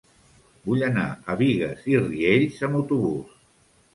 Vull anar a Bigues i Riells amb autobús.